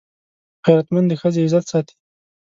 غیرتمند د ښځې عزت ساتي